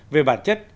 về bản chất